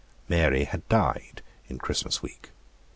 Mary had died in Christmas week.